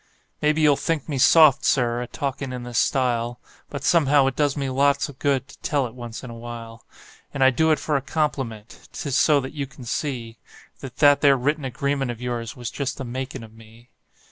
Maybe you'll think me soft, Sir, a talkin' in this style, But somehow it does me lots of good to tell it once in a while; And I do it for a compliment 'tis so that you can see That that there written agreement of yours was just the makin' of me.